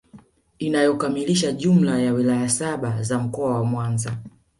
inayokamilisha jumla ya wilaya saba za Mkoa wa Mwanza